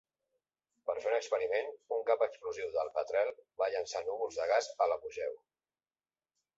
Per fer un experiment, un cap explosiu del Petrel va llançar núvols de gas a l'apogeu.